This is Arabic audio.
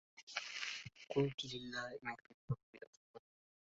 قلت للائم في الحب أفق